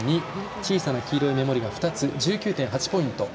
小さな黄色いメモリが２つ１９．８ポイント。